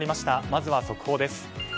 まずは速報です。